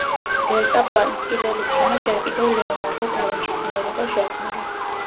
დელტაპლანის პირველი სქემა ჯერ კიდევ ლეონარდო და ვინჩის მიერ იყო შექმნილი.